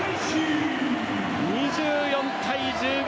２４対１５。